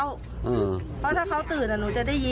เพราะถ้าเขาตื่นหนูจะได้ยิน